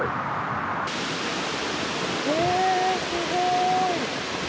えー、すごい。